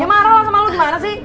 ya marah lah sama lu gimana sih